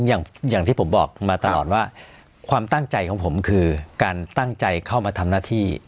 อย่างที่ผมบอกมาตลอดว่าความตั้งใจของผมคือการตั้งใจเข้ามาทำหน้าที่